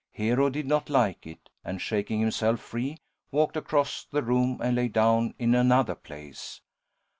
Hero did not like it, and, shaking himself free, walked across the room and lay down in another place.